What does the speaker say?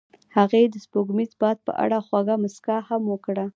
هغې د سپوږمیز باد په اړه خوږه موسکا هم وکړه.